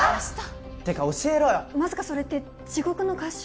てか教えろよまさかそれって地獄の合宿？